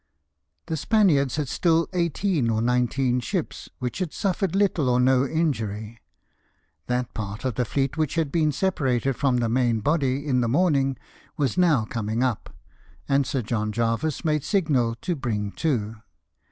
The Spaniards had still eighteen or nineteen ships which had suffered httle or no injury ; that part of the fleet which had been separated from the main body in the morning was now coming up, and Sir John Jervis made signal to bring to.